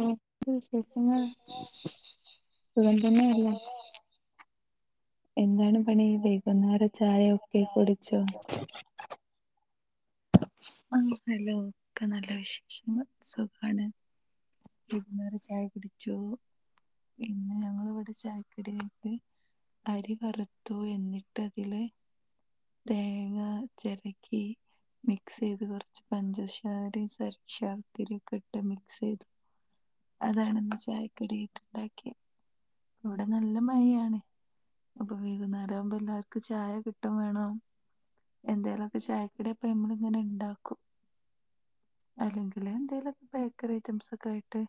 ഉം [unintelligible] വിശേഷങ്ങൾ സുഖം തന്നെയല്ലേ. എന്താണ് പണി വൈകുന്നേര ചായൊക്കെ കുടിച്ചോ? ച്ച് ആ ഹലോ ഒക്കെ നല്ല വിശേഷങ്ങൾ സുഖാണ്. വൈകുന്നേരം ചായ കുടിച്ചൂ ഇന്ന് ഞങ്ങളിവ്ടെ ചായക്കടിയിലേക്ക് അരി വറുത്തു എന്നിട്ട അതില് തേങ്ങ ചെരകി മിക്സയ്ത് കോർച്ച് പഞ്ചശാരയും സർ ശർക്കരിക്കെ ഇട്ട് മിക്സ് ചെയ്തു. അതാണ് ഇന്ന് ചായക്കടിയായിട്ട് ഉണ്ടാക്കിയെ ഇവടെ നല്ല മഴയാണ് അപ്പൊ വൈകുന്നേരാവുമ്പോ എല്ലാർക്കും ചായ കിട്ടും വേണം. എന്തെലൊക്ക ചായക്കടിയപ്പം ഞമ്മള് ഇങ്ങനെ ഇണ്ടാക്കും അല്ലെങ്കില് എന്തെലൊക്കെ ബേക്കറി ഐറ്റംസോക്കായിട്ട്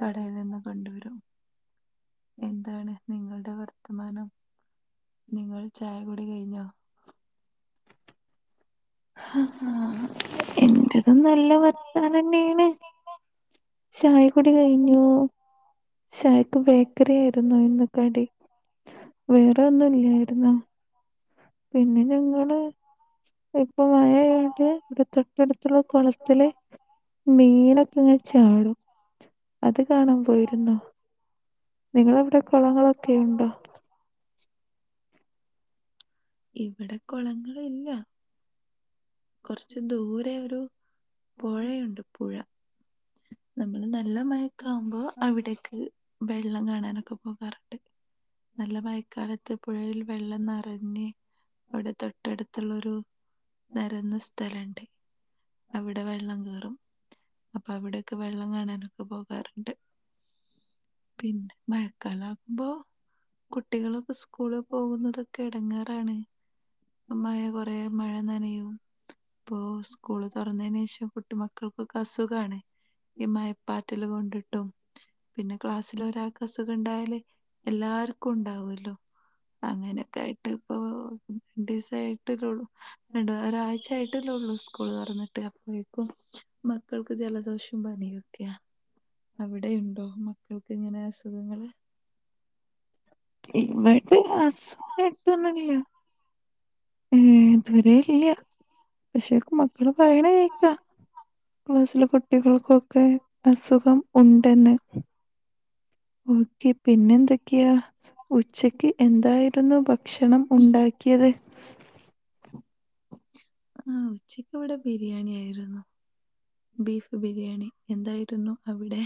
കടയിൽ നിന്ന് കൊണ്ടുവരും. എന്താണ് നിങ്ങളുടെ വർത്തമാനം നിങ്ങൾ ചായ കുടി കഴിഞ്ഞോ? ആഹ് എന്റേതും നല്ല വാർത്തനന്നേണ് ചായ കുടി കഴിഞ്ഞു ചായക്ക് ബേക്കറി ആയിരുന്നു ഇന്ന് കടി വേറെ ഒന്നുല്ലായിരുന്നു പിന്നെ ഞങ്ങള് ഇപ്പൊ മഴ ആയോണ്ട് ഇവടെ തൊട്ടട്ത്ത്ള്ള കൊളത്തിൽ മീനൊക്കെ ഇങ്ങനെ ചാടും അത് കാണാൻ പോയിരുന്നു നിങ്ങളവിടെ കൊളങ്ങളൊക്കെയുണ്ടോ ഇവിടെ കൊളങ്ങൾ ഇല്ല കോർച്ച് ദൂരെ ഒരു പുഴയുണ്ട് പുഴ ഹ് നമ്മള് നല്ല മയക്കാവുമ്പോ അവിടേക്ക് വെള്ളം കാണാനൊക്കെ പോകാറുണ്ട് നല്ല മയക്കാലത്ത് പുഴയിൽ വെള്ളം നെറഞ്ഞ് അവിടെ തൊട്ടടുത്തുള്ളൊരു നെരന്ന സ്ഥലണ്ട് അവിടെ വെള്ളം കേറും അപ്പ അവിടൊക്കെ വെള്ളം കാണാനൊക്കെ പോകാർണ്ട് പിന്നെ മഴക്കാലാകുമ്പോ കുട്ടികളൊക്കെ സ്കൂൾ പോവുന്നതൊക്കെ എടങ്ങേറാണ് മഴ കൊറേ മഴ നനയും ഇപ്പോ സ്കൂള് തോർന്നേനേഷം കുട്ട് മക്കൾക്കൊക്കെ അസുഖാണ് ഈ മയപ്പാറ്റൽ കൊണ്ട്ട്ടും പിന്നെ ക്ലാസ്സില് ഒരാൾക്ക് അസുഖം ഇണ്ടായാല് എല്ലാർക്കും ഇണ്ടാവല്ലോ അങ്ങനൊക്കെ ആയിട്ട് ഇപ്പൊ രണ്ടീസം ആയിട്ടെല്ലെള്ളു രണ്ട് ഒരാഴ്ച ആയിട്ടല്ലേള്ളൂ സ്കൂൾ തൊർന്ന്ട്ട് അപ്പോയേക്കും മക്കൾക്ക് ജല ദോഷും പനിയൊക്കെയാ അവിടെ ഉണ്ടോ മക്കൾക്ക് ഇങ്ങനെ അസുഖങ്ങള് ഇവടെ അസുഖായിട്ടൊന്നൂല്യ ഏഹ് ഇത് വരെല്യ പക്ഷേ കു മക്കള് പറിയണ കേക്ക ക്ലാസ്സിലെ കുട്ടികൾക്കൊക്കെ അസുഖം ഉണ്ടെന്ന് ഓക്കെ പിന്നെ എന്തക്ക്യാ ഉച്ചക്ക് എന്തായിരുന്നു ഭക്ഷണം ഉണ്ടാക്കിയത് [unintelligible] ആഹ് ഉച്ചക്ക് ഇവടെ ബിരിയാണി ആയിരുന്നു ബീഫ് ബിരിയാണി എന്തായിരുന്നു അവിടെ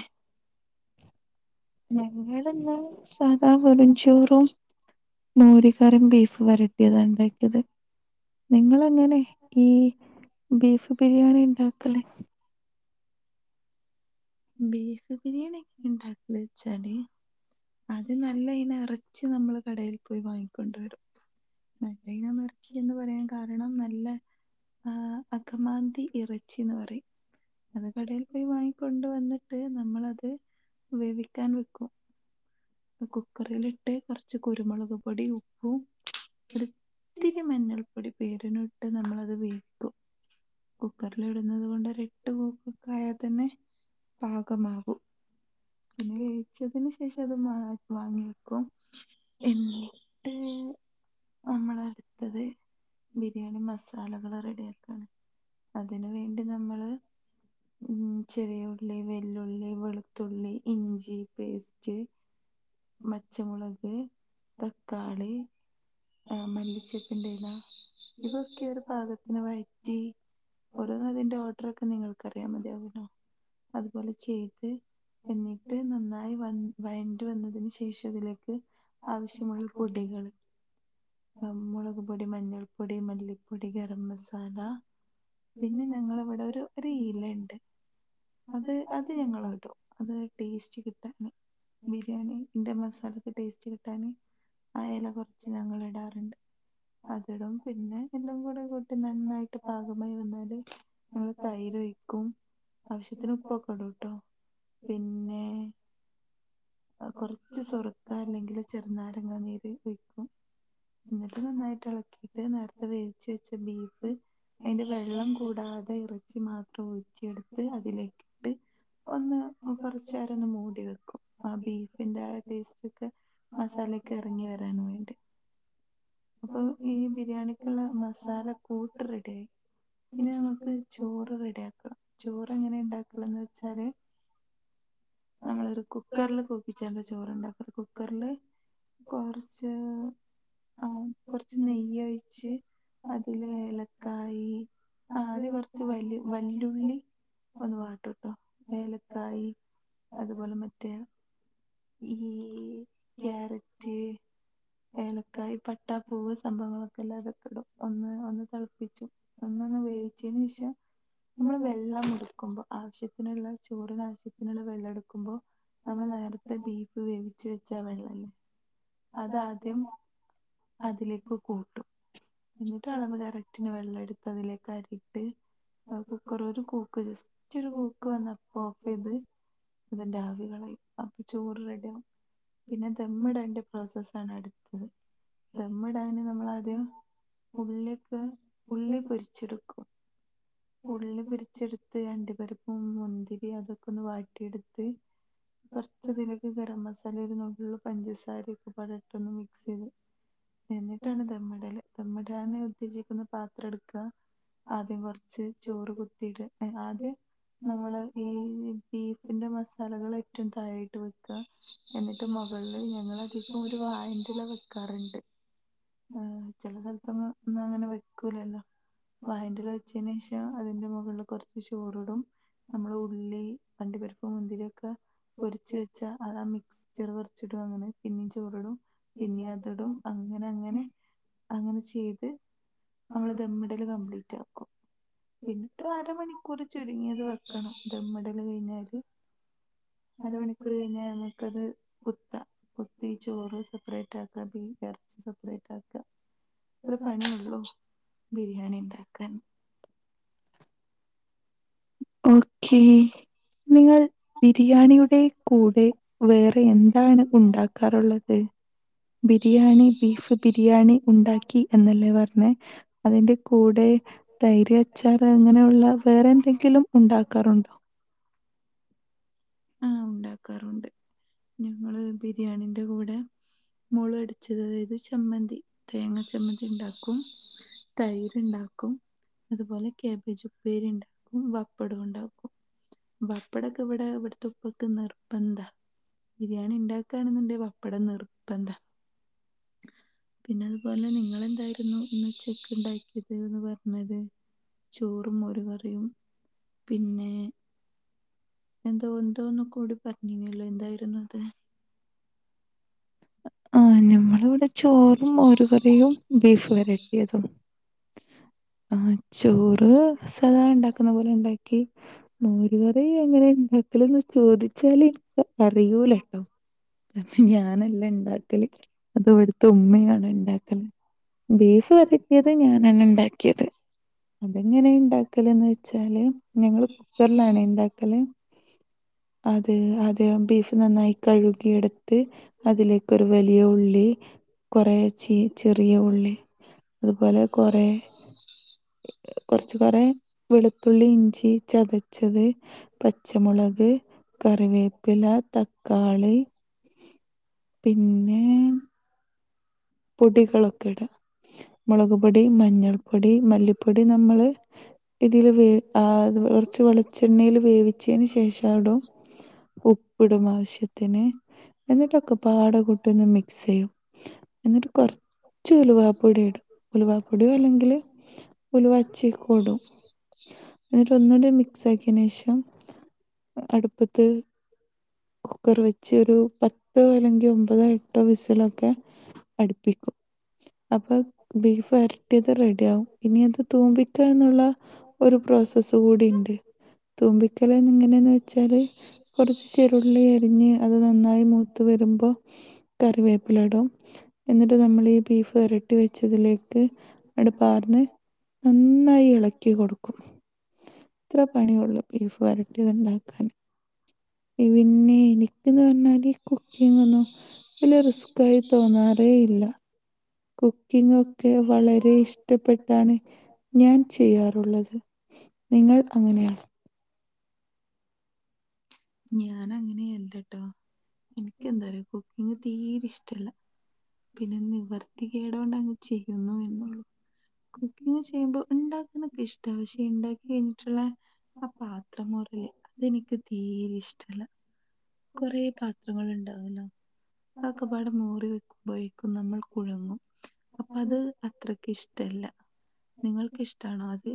ഞങ്ങൾ ഇന്ന് സാദാ വെറുംചോറും മോര് കറിയും ബീഫും വരട്ടിയതാ ഇണ്ടാക്കിയത് നിങ്ങളെങ്ങനെ ഈ ബീഫ് ബിരിയാണി ഇണ്ടാക്കൽ ബീഫ് ബിരിയാണി ഇണ്ടാക്കൽച്ചാല് അത് നല്ല ഇനം എറച്ചി നമ്മള് കടേൽ പോയി വാങ്ങിക്കൊണ്ട് വരും നല്ല ഇനം എർച്ചിന്ന് പറയാൻ കാരണം നല്ല ആഹ് അകമാന്തി ഇറ ച്ചിന്ന് പറയും അത് കടയിൽ പോയി വങ്ങിക്കൊണ്ട് വന്നിട്ട് നമ്മൾ അത് വേവിക്കാൻ വെക്കും കുക്കറിലിട്ട് കൊറച്ച് കുരുമുളക് പൊടി ഉപ്പും ഒര് ഇത്തിരി മഞ്ഞൾ ഒരു പേരിനുംട്ട് നമ്മൾ അത് വേവിക്കും കുക്കറിൽ ഇടുന്നത് കൊണ്ട് ഒരു എട്ട് കുക്ക് ഒക്കെ ആയാ തന്നെ പാകമാകും പിന്നെ വേവിച്ചതിന് ശേഷം അത് വാങ്ങി വെക്കും എന്ന ട്ട് നമ്മൾ അടുത്തത് ബിരിയാണി മസാലകള് റെഡി ആക്കാണ് അതിന് വേണ്ടി നമ്മള് ഉം ചെറിയുള്ളി വെല്ലുള്ളി വെളുത്തുള്ളി ഇഞ്ചി പേസ്റ്റ് മച്ചമുളക് തക്കാളീ ആഹ് മല്ലിച്ചെപ്പിന്റെ ഇലാ ഇതൊക്കെ ഒരു പാകത്തിന് വഴറ്റി ഒരു അതിന്റെ ഓഡർ ക്കെ നിങ്ങൾക്ക് അറിയാൻ മതിയാവല്ലോ അതുപോലെ ചെയ്ത് എന്നിട്ട് നന്നായി വൻ വയന്റ് വന്നതിന് ശേഷം ഇതിലേക്ക് ആവശ്യമുൾ പൊടികൾ ഉം മുളക് പൊടി, മഞ്ഞൾ പൊടി, മല്ലി പൊടി, ഗരം മസാലാ പിന്നെ ഞങ്ങള ഇവിടെ ഒരു ഒരു ഇല ഒണ്ട് അത് അത് ഞങ്ങള് ഇടും അത് ടേസ്റ്റ് കിട്ടാന് ബിരിയാണി ന്റെ മസാലക്ക് ടേസ്റ്റ് കിട്ടാന് ആ എല കൊറച്ച് ഞങ്ങൾ ഇടാറുണ്ട് അതിടും പിന്നെ എല്ലാം കൂടെ കൂട്ടി നന്നായിട്ട് പാകമായി വന്നാല് ഏഹ് തൈര് ഒഴിക്കും ആവശ്യത്തിന് ഉപ്പൊക്കെ ഇടുട്ടോ പിന്നേ ആഹ് കൊറച്ച് സൊറുക്ക അല്ലെങ്കിൽ ചെറുനാരങ്ങാ നീര് ഒയ്ക്കും എന്നിട്ട് നന്നായിട്ട് എളക്കി [unintelligible] നേരത്തെ വേവിച്ച് വെച്ച ബീഫ് അതിന്റെ വെള്ളം കൂടാതെ എറ് ച്ചി മാത്രം ഊറ്റിയെടുത്ത് അതിലേക്കിട്ട് ഒന്ന് കൊറച്ച് നേരം ഒന്ന് മൂടി വെക്കും ആ ബീഫിന്റെ ആ ടേസ്റ്റ് ഒക്കെ മസാല എക്കെ എറങ്ങി വരാൻ വേണ്ടി അപ്പോ ഈ ബിരിയാണിക്കുള്ള മസാല കൂട്ട് റെഡി ആയി പിന്നെ നമുക്ക് ചോറ് റെഡിയാക്കണം ചോറ് എങ്ങനെ ഉണ്ടാക്കണം എന്ന് വെച്ചാല് നമ്മള് ഒരു കുക്കറില് കൂപ്പിച്ചാണ് ചോറണ്ടാക്കണത് കുക്കറില് കൊറച്ച് കൊറച്ച് നെയ്യ് ഒഴിച്ച് അതില് ഏലക്കായി ആതി കൊറ ച്ച് വല്ല് വല്യുള്ളി ഒന്ന് വാട്ടാട്ട് ഏലക്കായി അതുപോലെ മറ്റേ ഈ ക്യാരറ്റ് ഏലക്കായി പട്ട പൂവ് സംഭവങ്ങളൊക്കെ എല്ലാ അതൊക്കെ ഇടും ഒന്ന് ഒന്ന് തെളപ്പിച്ചു ഒന്നങ്ങ് വേവിച്ചേതിന് ഷം നമ്മള് വെള്ളം എടുക്കുംമ്പം ആവശ്യത്തിനുള്ള ചോറിന് ആവശ്യത്തിനുള്ള വെള്ളം എടുക്കുമ്പോ നമ്മൾ നേരത്തെ ബീഫ് വേവിച്ച് വെച്ച വെള്ളല്ലേ അത് ആദ്യം ഒ അതിലേക്ക് കൂട്ടും എന്നിട്ട് അളവ് കറക്ടിന് വെള്ളം എടുത്ത് അതിലേക്ക് അരിയിട്ട് ആഹ് കുക്കർ ഒരു കൂക്ക് ജസ്റ്റ് ഒരു കൂക്ക് വന്നാ അപ്പൊ ഓഫ് ചെയ്ത് ഇതിന്റെ ആവി കളയും അപ്പൊ ചോറ് റെഡി ആകും പിന്നെ ദമ്മിടേണ്ട പ്രോസസ്സ് ആണ് അടുത്തത് ദമ്മിടാന് അതിന് നമ്മൾ ആദ്യം ഉള്ളിക്ക് ഉള്ളി പൊരിച്ചെടുക്കും ഉള്ളി പൊരിച്ചെടുത്ത് അണ്ടിപരിപ്പും മുന്തിരി അതൊക്കെ ഒന്ന് വാട്ടിയെടുത്ത് കൊറച്ച് അതിലേക്ക് ഗരം മസാല ഒരു നുള്ള് പഞ്ചസാരയും ഒക്കെ പാട് ഇട്ടിട്ട് ഒന്നു മിക്സ് ചെയ്ത് എന്നിട്ടാണ് ദമ്മിടല് ദമ്മിടാന് ഉദ്ദേശിക്കുന്നെ പാത്രം എടുക്ക ആദ്യം കുറച്ച്. ചോറ് കുത്തിട ആദ്യ നമ്മൾ ഈ ബീഫി്ന്റെ മസാലകൾ ഏറ്റവും താഴായിട്ട് വെക്ക. എന്നിട്ട് മുകളില് ഞങ്ങള് അധികവും ഒരു വായന്റെല വെക്കാറുണ്ട്. ആഹ് ചെല സ്ഥലത്ത് ഒന്നും അങ്ങ് ഒന്നും അങ്ങനെ വെക്കൂലല്ലോ വായെന്റെ ല. ച്ചനേ ഷം അതിന്റെ മുകളില് കുറച്ച് ചോറിടും. നമ്മളെ ഉള്ളി അണ്ടി പരിപ്പ് മുന്തിരി ഒക്കെ. പൊരിച്ച് വെച്ചാ അതാ മിക്സ്ചർ കൊറച്ചിടും അങ്ങനെ പിന്നിം ചോറിടും. പിന്നിം അതിടും അങ്ങനെ അങ്ങനെ അങ്ങനെ ചെയ്ത് നമ്മള് ദമ്. ഇടല് കപ്ലീറ്റ് ആക്കും. പിന്നിട്ട് അരമണിക്കൂർ ചുരുങ്ങിത് വെക്കണം ദമ്ടല് കഴിഞ്ഞാല്. അര മണിക്കൂറ് കഴിഞ്ഞ ഞമ്മക്കത്. കുത്ത കുത്തി ചോറ് സെപ്പറേറ്റ് ആക്കാ ബി എറച്ചി സെപ്പറേറ്റ് ആക്ക. ഇത്ര പണിയൊള്ളൂ ബിരിയാണി ണ്ടാക്കാൻ. ഓക്കേ നിങ്ങൾ. ബിരിയാണിയുടെ കൂടെ വേറെ എന്താണ് ഉണ്ടാക്കാറുള്ളത്? ബിരിയാണി ബീഫ് ബിരിയാണി ഉണ്ടാക്കി എന്നല്ലേ പറഞ്ഞേ അതിന്റെ കൂടെ. തൈര് അച്ചാറ് അങ്ങനെയുള്ള വേറെ എന്തെങ്കിലും ഉണ്ടാക്കാറുണ്ടോ? ആ ഉണ്ടാക്കാറുണ്ട് ഞങ്ങള് ബിരിയാണിന്റെ കൂടെ. മൊളു അടിച്ചത് അതായത് ചമ്മന്തി തേങ്ങ ചമ്മന്തിണ്ടാക്കും. തൈര്ണ്ടാക്കും. അതുപോലെ കേബേജ് പോരി രിണ്ടാക്കും വപ്പടോണ്ടാക്കും. വപ്പടൊക്കെ ഇവിടെ ഇവിട്ത്തെപ്പെക് നിർബന്ധാ. ബിരിയാണി ഇണ്ടാക്കാണ്ന്ന്ണ്ടെങ്കി വപ്പടം നിർബന്താ. പിന്നെ അതുപോലെ നിങ്ങളെന്തായിരുന്നു ഇന്ന് ഉച്ചക്ക് ഇണ്ടാക്കിയത്ന് പറഞ്ഞത്. ചോറും മോര് കറിയും പിന്നെ. എന്തോ എന്തോന്നു കൂടി പറഞ്ഞീനല്ലോ എന്തായിരുന്നു അത്. ആ ഞമ്മളി വിടെ ചോറും മോര് കറിയും ബീഫ് വര തും ആ ചോറ് സാധാ ഇണ്ടാക്ക്‌ന്ന പോലെ. ണ്ടാക്കി മോര്കറി എങ്ങനെ? വെക്കല്ന്ന് ചോദിച്ചാല് എനി അറിയൂല ട്ടോ കാരണം ഞാനല്ല ഇണ്ടാ ക്കല് അത് ഇവിടുത്തെ ഉമ്മയാണ് ഇണ്ടാക്കല്. ബീഫ് വരറ്റിയത് ഞാനാണ് ണ്ടാക്കിയത്. അതെങ്ങനെ ഉണ്ടാക്കല്ന്ന് വെച്ചാല് ഞങ്ങള് കുക്കറിലാണെ ണ്ടാക്കല്. അത് ആദ്യം ബീഫ് നന്നായി കഴുകിയെ ടുത്ത് അതിലേക്ക്. വലിയ ഉള്ളി കൊറേ ചെ ചെറിയ ഉള്ളി. അത്പോലെ കൊറെ. കൊറച് കൊറെ വെളുത്തുള്ളി ഇഞ്ചി ചതച്ചത്. പച്ചമുളക് കറിവേപ്പില തക്കാളി. പിന്നെ. പൊടികളൊക്കെ ഇട. മൊളക് പൊടി മഞ്ഞൾപ്പൊടി മല്ലിപ്പൊടി നമ്മള് ഇതിൽ വേ കുറച്ച് വെളിച്ചെണ്ണയിൽ വേവിച്ചതിന് ശേഷം അത് ഇടും. ഉപ്പിടും ആവശ്യത്തിന് എന്നിട്ടൊക്കെപാടെ കൂട്ടി ഒന്ന് മിക്സ് ചെയ്യും. എന്നിട്ട് കൊറച്ച് ഉലുവാപ്പൊടി ഇടും ഉലുവപ്പൊടിയോ അല്ലെങ്കില്. ഉലുവാച്ചെല്കിടും ന്നിട്ട് ഒന്നുകൂടി മിക്സ് ആക്കിയതിന് ശേഷം. അടുപ്പത്ത് കുക്കറ് വെച്ച് ഒരു പത്തോ അല്ലെങ്കിൽ ഒമ്പതോ എ ട്ടോ വിസിലൊക്കെ. അടുപ്പിക്കും. അപ്പൊ ബീഫ് വരട്ടിയത് റെഡിയാവും ഇനി അത് തൂമ്പിക്കാന്നുള്ള. ഒരു പ്രോസസ് കൂടി ഇണ്ട് തൂമ്പിക്കൽ എങ്ങനെന്ന് വെച്ചാല് കുറച്ച് ചെറുള്ളി അരിഞ്ഞ് അത് നന്നായി മൂത്ത് വരുമ്പോൾ കറിവേപ്പില ഇടും എന്നിട്ട് നമ്മൾ ഈ ബീഫ് ഇട്ട് വെച്ചതിലേക്ക് അങ്ങ്പ്പാർന്ന് നന്നായി ഇളക്കി കൊടുക്കും ഇത്ര പണിയൊള്ളൂ ബീഫ് വരട്ടിയത് ഉണ്ടാക്കാൻ പിന്നെ എനിക്കെന്ന് പറഞ്ഞാൽ കുക്കിംഗ് ഒന്നും വലിയ റിസ്‌കായി തോന്നാറില്ല കുക്കിംഗ് ഒക്കെ വളരെ ഇഷ്ടപ്പെട്ടാണ് ഞാൻ ചെയ്യാറുള്ളത് നിങ്ങൾ അങ്ങനെയാണോ ഞാൻ അങ്ങനെയല്ലട്ടോ എനിക്ക് എന്തായാലും കുക്കിങ് തീരെ ഇഷ്ടല്ല പിന്നെ നിവർത്തിക്കേടുകൊണ്ട് അങ്ങ് ചെയ്യുന്നു എന്നൊള്ളൂ കുക്കിങ്ങ് ചെയ്യുമ്പോ ഉണ്ടാക്കാനൊക്കെ ഇഷ്ട പക്ഷെ ഉണ്ടാക്കി കഴിഞ്ഞിട്ടുള്ള ആ പാത്രം മോറൽ ഇല്ലെ അതെനിക്ക് തീരെ ഇഷ്ടമല്ല കുറെ പാത്രങ്ങൾ ഉണ്ടാവില്ലോ അതൊക്കെ പാടേ മോറി വെയ്ക്കും വൈകും നമ്മൾ കുഴങ്ങും അപ്പൊ അത് അത്രക്ക് ഇഷ്ടല്ല നിങ്ങൾക്ക് ഇഷ്ടാണോ അത്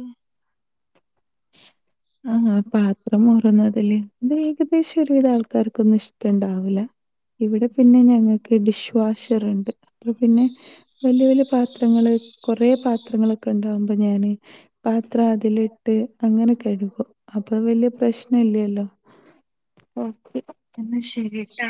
ആഹ് ആഹ് പാത്രം മോറൽ ന്നതില് ഇത് ഏകദേശം ഒരുവിധം ആൾക്കാർക്കൊന്നും ഇഷ്ടം ഉണ്ടാവില്ല ഇവിടെ പിന്നെ ഞങ്ങൾക്ക് ഡിഷ് വാഷർ ഉണ്ട് അപ്പ പിന്നെ വലിയ വലിയ പാത്രങ്ങള് കുറേ പാത്രങ്ങൾ ഒക്കെ ഉണ്ടാവുമ്പോ ഞാന് പാത്രം അതിൽ ഇട്ട് അങ്ങനെ കഴുകും അപ്പൊ വലിയ പ്രശ്നമില്ലല്ലോ ഓക്കെ എന്നാ ശെരിട്ടാ